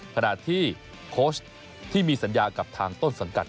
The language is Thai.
ขณะที่โค้ชที่มีสัญญากับทางต้นสังกัด